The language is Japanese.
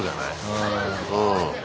うん。